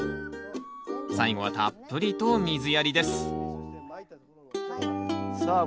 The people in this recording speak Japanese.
最後はたっぷりと水やりですさあ